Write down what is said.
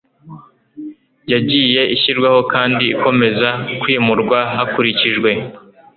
yagiye ishyirwaho kandi ikomeza kwimurwa hakurikijwe